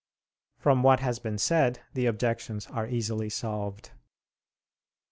From what has been said the objections are easily solved.